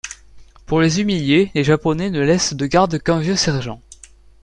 Pour les humilier, les Japonais ne laissent de garde qu'un vieux sergent.